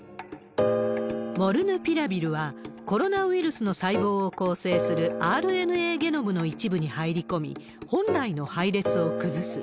モルヌピラビルは、コロナウイルスの細胞を構成するＲＮＡゲノムの一部に入り込み、本来の配列を崩す。